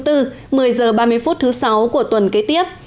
một mươi h ba mươi phút thứ sáu của tuần kế tiếp